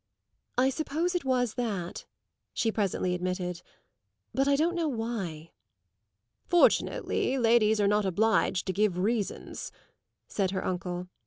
"I suppose it was that," she presently admitted. "But I don't know why." "Fortunately ladies are not obliged to give reasons," said her uncle.